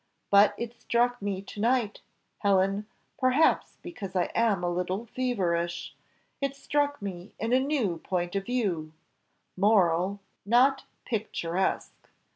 "But it struck me to night, Helen, perhaps because I am a little feverish it struck me in a new point of view moral, not picturesque.